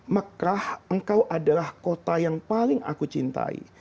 makrah engkau adalah kota yang paling aku cintai